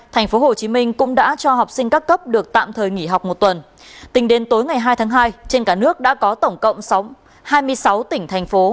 tính đến tối ngày hai tháng hai trên cả nước đã có tổng cộng hai mươi sáu tỉnh thành phố